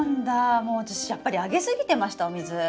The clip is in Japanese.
もう私やっぱりあげ過ぎてましたお水！